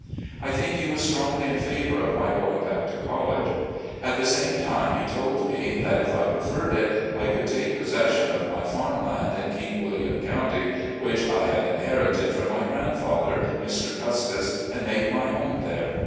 I think he was strongly in favour of my going back to college. At the same time he told me that, if I preferred it, I could take possession of my farm land in King William County, which I had inherited from my grandfather, Mr. Custis, and make my home thCTe.